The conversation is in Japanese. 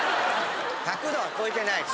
１００℃は超えてないし。